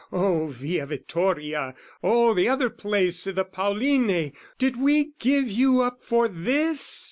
"Oh Via Vittoria, oh the other place "I' the Pauline, did we give you up for this?